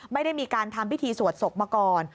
ไม่ได้มีการทำพิธีสวดศพมาก่อน